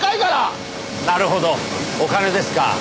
なるほどお金ですか。